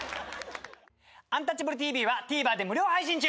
「アンタッチャブるＴＶ」はＴＶｅｒで無料配信中！